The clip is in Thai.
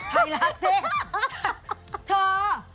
ไทยรัฐสิ